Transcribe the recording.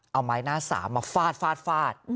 เอาไม้หน้าสามมาฟาดฟาดฟาด